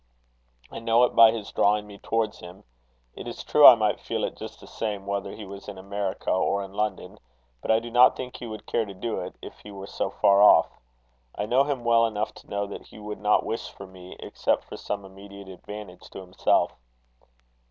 I know it by his drawing me towards him. It is true I might feel it just the same whether he was in America or in London; but I do not think he would care to do it, if he were so far off. I know him well enough to know that he would not wish for me except for some immediate advantage to himself."